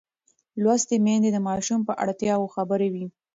لوستې میندې د ماشوم پر اړتیاوو خبر وي.